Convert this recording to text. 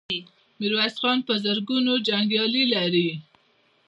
ميرويس خان په زرګونو جنګيالي لري.